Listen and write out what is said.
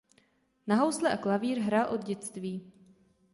Na housle a klavír hrál od dětství.